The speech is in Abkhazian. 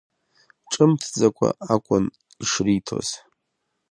Ҿымҭӡакәа акәын ишриҭоз.